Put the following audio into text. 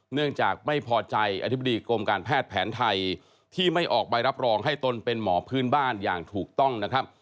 เนื่องจากไม่พอใจอธิบดีกรมการแพทย์แผนไทยที่ไม่ออกใบรับรองให้ตนเป็นหมอพื้นบ้านอย่างถูกต้องนะครับ